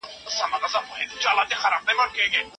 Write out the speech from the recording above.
مور مې وويل چې لمونځ وکړه.